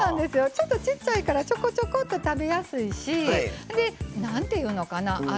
ちょっとちっちゃいからちょこちょこっと食べやすいしなんていうのかな